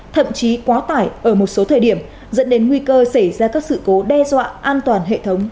thậm chí quá tải ở một số thời điểm dẫn đến nguy cơ xảy ra các sự cố đe dọa an toàn hệ thống